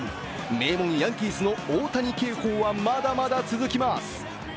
名門ヤンキースの大谷警報はまだまだ続きます。